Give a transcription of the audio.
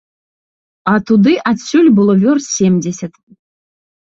А туды адсюль было вёрст семдзесят.